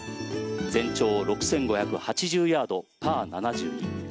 全長６５８０ヤード、パー７２。